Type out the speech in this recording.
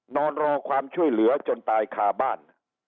นอนรอความช่วยเหลือจนตายคาบ้าน